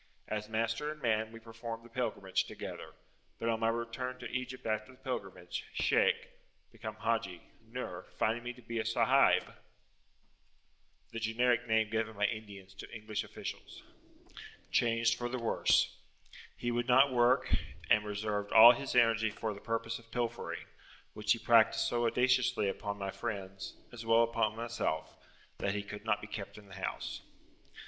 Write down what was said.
As master and man we performed the pilgrimage together; but, on my return to Egypt after the pilgrimage, Shaykh (become Haji) Nur, finding me to be a Sahib,[FN#25] changed for the worse. He would not work, and reserved all his energy for the purpose of pilfering, which he practised so audaciously upon my friends, as well as upon myself, that he could not be kept in the house.